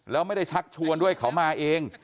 แล้วไม่ได้ชักชวนด้วยเขามาเอง